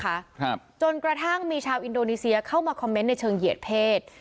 ครับจนกระทั่งมีชาวอินโดนีเซียเข้ามาคอมเมนต์ในเชิงเหยียดเพศ